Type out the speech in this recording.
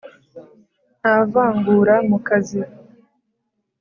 Nta vangura mu kazi.